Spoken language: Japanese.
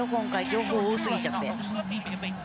情報が多すぎちゃって。